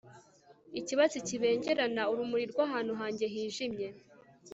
ikibatsi kibengerana, urumuri rw'ahantu hanjye hijimye